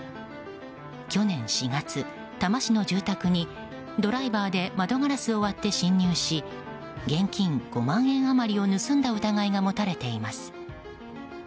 去年４月、多摩市の住宅にドライバーで窓ガラスを割って侵入し現金５万円余りを盗んだ疑いが持たれています。